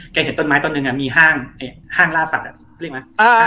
แกเห็นต้นไม้ต้นหนึ่งอ่ะมีห้างไอ้ห้างล่าสัตว์อ่ะเรียกไหมอ่า